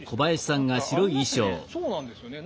そうなんですよね。